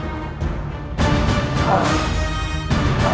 memang belum waktunya